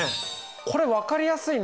これ分かりやすいね。